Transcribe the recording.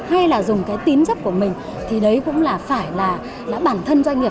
hay là dùng cái tín chấp của mình thì đấy cũng là phải là bản thân doanh nghiệp